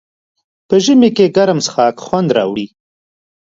په ژمي کې ګرم څښاک خوند راوړي.